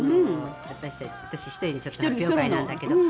私１人でちょっと発表会なんだけど。